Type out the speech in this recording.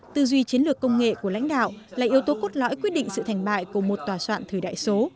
tư duy chiến lược công nghệ của lãnh đạo là yếu tố cốt lõi quyết định sự thành bại của một tòa soạn thời đại số